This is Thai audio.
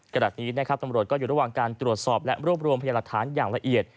ขณะนี้นะครับตำรวจก็อยู่ระหว่างการตรวจสอบและรวบรวมพยาหลักฐานอย่างละเอียด